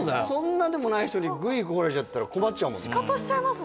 そんなでもない人にぐいぐい来られちゃったら困っちゃうもんね